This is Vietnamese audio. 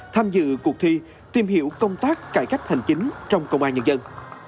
tham dự cuộc thi tìm hiểu công tác cải cách hành chính trong công an nhân dân